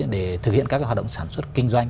để thực hiện các hoạt động sản xuất kinh doanh